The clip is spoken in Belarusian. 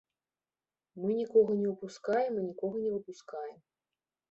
Мы нікога не ўпускаем і нікога не выпускаем.